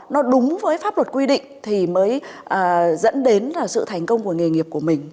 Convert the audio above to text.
nó đúng với pháp luật quy định thì mới dẫn đến sự thành công của nghề nghiệp của mình